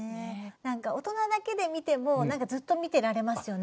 何か大人だけで見てもずっと見てられますよね。